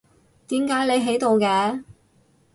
點解你喺度嘅？